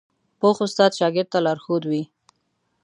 پوخ استاد شاګرد ته لارښود وي